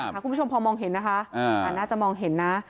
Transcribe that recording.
คุณผู้ชมพอมองเห็นนะคะน่าจะมองเห็นนะ